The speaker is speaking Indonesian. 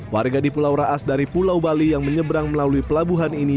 warga di pulau raas dari pulau bali yang menyeberang melalui pelabuhan ini